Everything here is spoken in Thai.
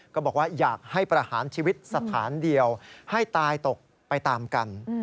ก็บอกว่าอยากให้ประหารชีวิตสถานเดียวให้ตายตกไปตามกัน